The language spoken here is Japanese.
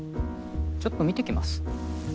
ちょっと見てきます。